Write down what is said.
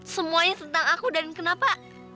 semuanya tentang aku dan kenapa